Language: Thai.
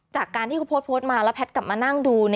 จากการที่เขาโพสต์โพสต์มาแล้วแพทย์กลับมานั่งดู